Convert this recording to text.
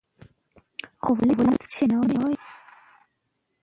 که نجونې بحث وکړي نو منطق به نه وي کمزوری.